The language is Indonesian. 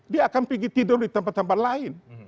dia akan pergi tidur di tempat tempat lain